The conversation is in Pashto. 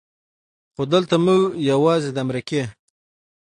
خو دلته مونږ يواځې د امريکې